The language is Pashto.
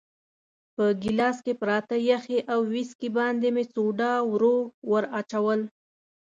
په ګیلاس کې پراته یخي او ویسکي باندې مې سوډا ورو وراچول.